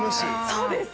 そうです。